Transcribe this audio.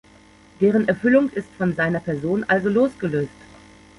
Deren Erfüllung ist von seiner Person also losgelöst.